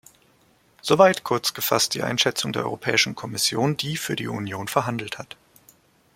Soweit kurz gefasst die Einschätzung der Europäischen Kommission, die für die Union verhandelt hat.